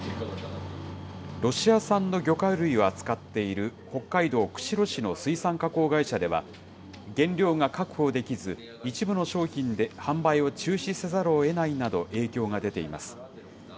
ロシア産の魚介類を扱っている北海道釧路市の水産加工会社では、原料が確保できず、一部の商品で販売を中止せざるをえないなど、影響が出ています。